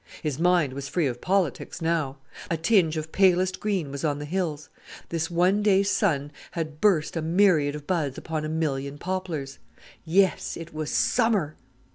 His mind was free of politics now! A tinge of palest green was on the hills; this one day's sun had burst a myriad of buds upon a million poplars. Yes, it was summer!